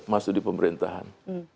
masuk di pemerintahan